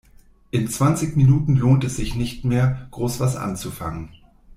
In zwanzig Minuten lohnt es sich nicht mehr, groß was anzufangen.